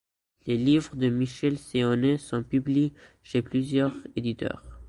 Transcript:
Les livres de Michel Séonnet sont publiés chez plusieurs éditeurs.